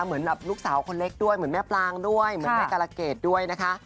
เหมือนแบบลูกสาวคนเล็กด้วยเหมือนแม่ปลางด้วยเหมือนแม่การะเกดด้วยนะคะ